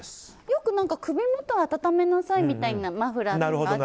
よく首元を温めなさいみたいなマフラーとか。